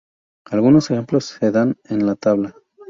Algunos ejemplos se dan en la tabla.